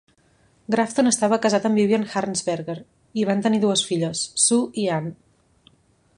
Grafton estava casat amb Vivian Harnsberger i van tenir dues filles, Sue i Ann.